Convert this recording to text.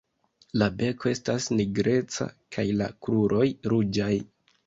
La beko estas nigreca kaj la kruroj ruĝaj.